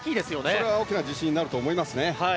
それは大きな自信になると思います。